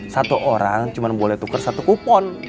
satu orang cuma boleh tukar satu kupon